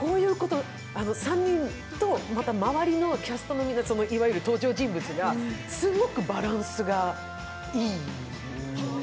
３人と周りのキャストのいわゆる登場人物が、すごくバランスがいいのね。